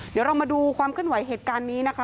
เดี๋ยวเรามาดูความเคลื่อนไหวเหตุการณ์นี้นะคะ